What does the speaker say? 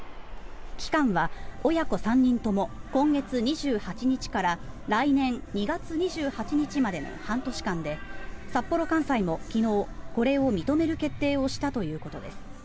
期間は親子３人とも今月２８日から来年２月２８日までの半年間で札幌簡裁も昨日これを認める決定をしたということです。